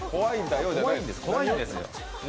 怖いんですよ。